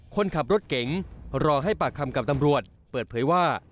คนขับรถเก๋งรอให้ปากคำกับตำรวจเปิดเผยว่า